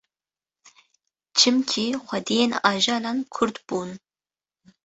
Çimkî xwediyên ajalan Kurd bûn